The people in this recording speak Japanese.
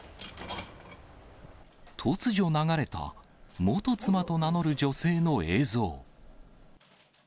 突如流れた、元妻と名乗る女性の映像。